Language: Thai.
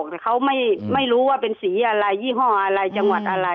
แต่เขาไม่รู้ว่าเป็นสีอะไรยี่ห้ออะไรจังหวัดอะไร